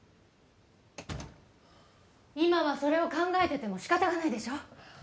今はそれを考えてても仕方がないでしょ